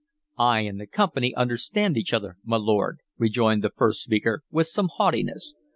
"I and the Company understand each other, my lord," rejoined the first speaker, with some haughtiness.